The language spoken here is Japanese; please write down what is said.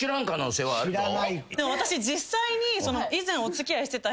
私実際に。